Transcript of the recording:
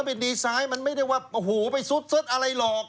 เออเป็นดีไซน์มันไม่ได้หัวหูไปซึ้ดซึ้ดอะไรหรอก